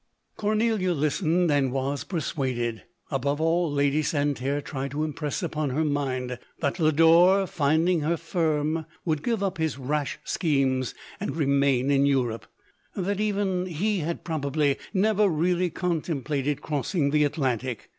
Cornelia listened, and was persuaded. Above all, Lady Santerre tried to impress upon her mind, that Lodore, finding her firm, would give up his rash schemes, and remain in Europe ; that even he had, probably, never really con templated crossing the Atlantic.